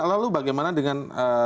lalu bagaimana dengan